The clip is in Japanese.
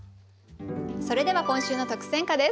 それでは今週の特選歌です。